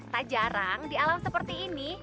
tak jarang di alam seperti ini